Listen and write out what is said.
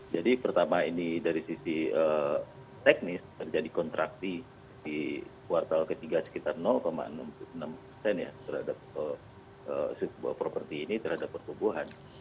jadi pertama ini dari sisi teknis terjadi kontraksi di kuartal ketiga sekitar enam puluh enam persen ya terhadap suku properti ini terhadap pertumbuhan